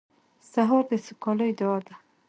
سهار د سوکالۍ دعا ده.